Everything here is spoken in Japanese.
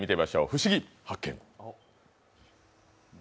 ふしぎ発見！